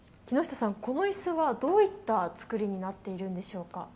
木下さん、この椅子はどういったつくりになっているんでしょうか